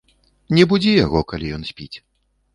Не будзі яго, калі ён спіць.